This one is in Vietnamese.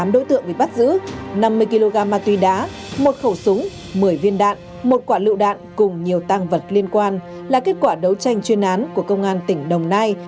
tám đối tượng bị bắt giữ năm mươi kg ma túy đá một khẩu súng một mươi viên đạn một quả lựu đạn cùng nhiều tăng vật liên quan là kết quả đấu tranh chuyên án của công an tỉnh đồng nai